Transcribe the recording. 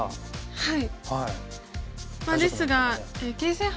はい。